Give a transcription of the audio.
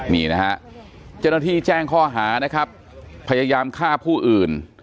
นี่นะฮะเจ้าหน้าที่แจ้งข้อหานะครับพยายามฆ่าผู้อื่น